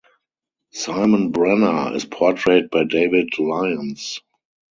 Simon Brenner is portrayed by David Lyons.